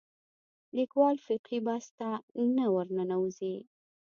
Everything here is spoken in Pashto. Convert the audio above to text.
لیکوال فقهي بحث ته نه ورننوځي